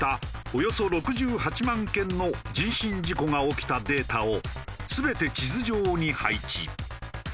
およそ６８万件の人身事故が起きたデータを全て地図上に配置。